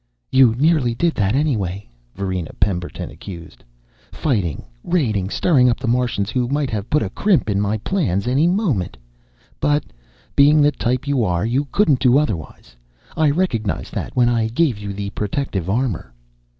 "You nearly did that anyway," Varina Pemberton accused. "Fighting, raiding, stirring up the Martians who might have put a crimp in my plans any moment but, being the type you are, you couldn't do otherwise. I recognized that when I gave you the protective armor."